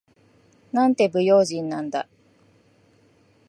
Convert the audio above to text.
なんて不用心なんだ。